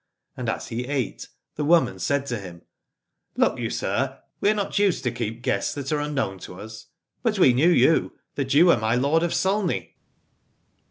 And as he ate, the woman said to him : Look you, sir, we are not used to i8 Alad ore keep guests that are unknown to us. But we knew you, that you are my lord of Sulney.